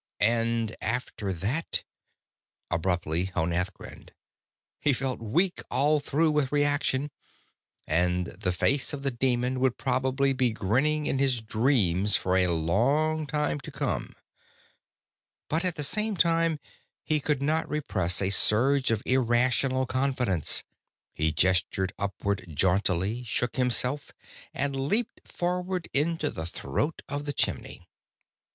And after that ? Abruptly, Honath grinned. He felt weak all through with reaction, and the face of the demon would probably be grinning in his dreams for a long time to come. But at the same time he could not repress a surge of irrational confidence. He gestured upward jauntily, shook himself, and loped forward into the throat of the chimney.